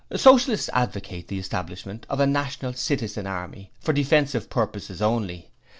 Socialists advocate the establishment of a National Citizen Army, for defensive purposes only.